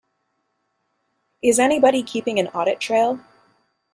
Is anybody keeping an audit trail?